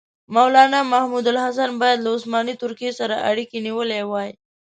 مولنا محمودالحسن باید له عثماني ترکیې سره اړیکه نیولې وای.